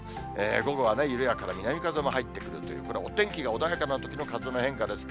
午後は緩やかな南風も入ってくるという、これ、お天気が穏やかなときの風の変化です。